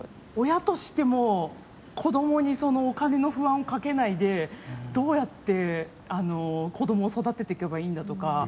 親としても、子どもにその、お金の不安をかけないでどうやって子どもを育ててけばいいんだとか。